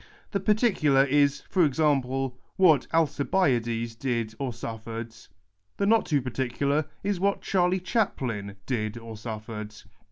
The particular is, for example, what Alci biades did or suffered. The not too particular is what Charlie Chaplin did or suffered.